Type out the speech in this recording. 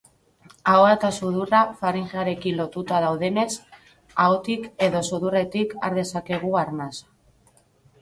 Ahoa eta sudurra faringearekin lotuta daudenez, ahotik edo sudurretik har dezakegu arnasa.